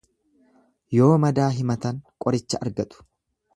Yoo madaa himatan qoricha argatu.